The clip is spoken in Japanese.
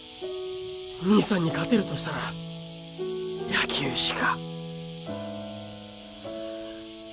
兄さんに勝てるとしたら野球しか。